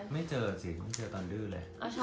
ไม่เจอจริงเดื้อตอนเดื้อเลย